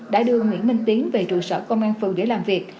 đã đưa nguyễn minh tiến về trụ sở công an phường để làm việc